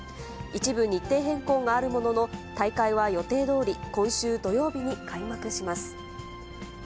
一部、日程変更があるものの、大会は予定どおり、今週土曜日に開幕します。